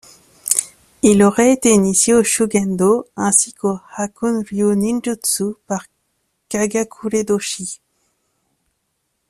Il aurait été initié au shugendo, ainsi qu'au Hakuun-ryu ninjutsu par Kagakure Doshi.